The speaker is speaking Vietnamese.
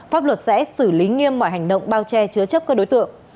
pháp luật sẽ xử lý nghiêm mọi hành động bao che chứa chấp các đối tượng